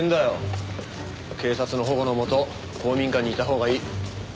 警察の保護のもと公民館にいたほうがいい。